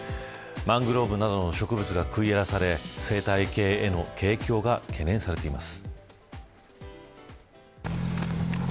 マングローブなどの植物が食い荒らされ生態系への影響が懸念されています。